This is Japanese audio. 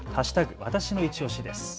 わたしのいちオシです。